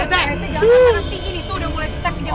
tuh udah mulai secak